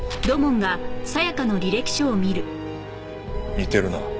似てるな。